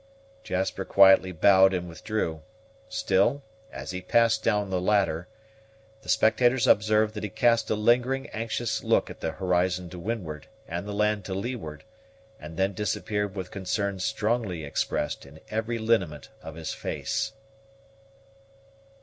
Jasper quietly bowed and withdrew; still, as he passed down the ladder, the spectators observed that he cast a lingering anxious look at the horizon to windward and the land to leeward, and then disappeared with concern strongly expressed in every lineament of his face.